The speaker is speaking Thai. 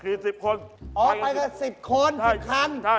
ที่สิบคนไปกันสิบอ๋อไปกันสิบคน